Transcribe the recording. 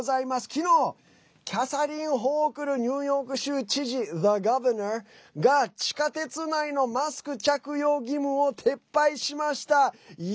昨日、キャサリン・ホークルニューヨーク州知事ＴｈｅＧｏｖｅｒｎｏｒが地下鉄内のマスク着用義務を撤廃しました。